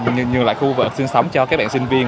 nhường lại khu vực sinh sống cho các bạn sinh viên